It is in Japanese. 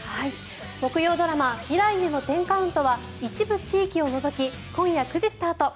木曜ドラマ「未来への１０カウント」は一部地域を除き今夜９時スタート。